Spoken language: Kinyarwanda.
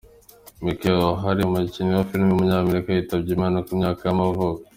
Michael O’Hare, umukinnyi wa film w’umunyamerika yitabye Imana, ku myaka y’amavuko.